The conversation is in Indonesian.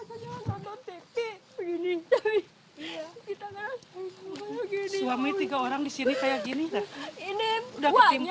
suami tiga orang di sini kayak gini